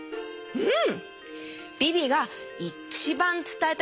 うん！